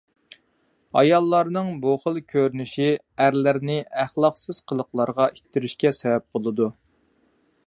ئاياللارنىڭ بۇ خىل كۆرۈنۈشى ئەرلەرنى ئەخلاقسىز قىلىقلارغا ئىتتىرىشكە سەۋەب بولىدۇ.